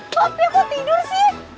bob bob ya kok tidur sih